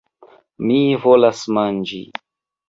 Mi volas manĝi!